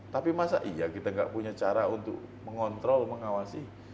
tapi masa iya kita nggak punya cara untuk mengontrol mengawasi